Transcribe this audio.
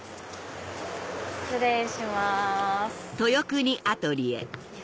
失礼します。